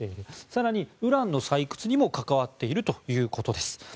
更に、ウランの採掘にも関わっているということです。